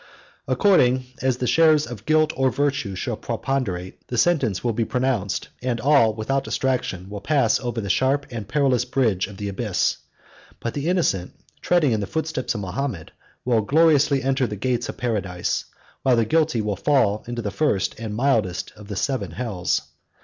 According as the shares of guilt or virtue shall preponderate, the sentence will be pronounced, and all, without distinction, will pass over the sharp and perilous bridge of the abyss; but the innocent, treading in the footsteps of Mahomet, will gloriously enter the gates of paradise, while the guilty will fall into the first and mildest of the seven hells.